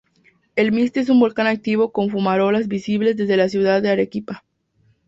El Misti es un volcán activo con fumarolas visibles desde la ciudad de Arequipa.